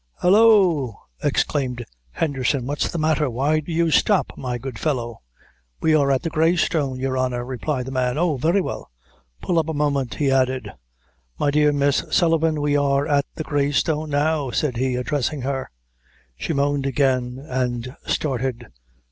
"Hallo!" exclaimed Henderson, "what's the matter? Why do you stop, my good fellow?" "We are at the Grey Stone, your honor," replied the man. "Oh, very well; pull up a moment," he added. "My dear Miss Sullivan, we are at the Grey Stone now," said he, addressing her. She moaned again, and started.